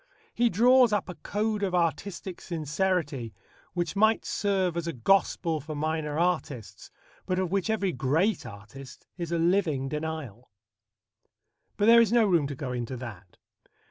He draws up a code of artistic sincerity which might serve as a gospel for minor artists, but of which every great artist is a living denial. But there is no room to go into that.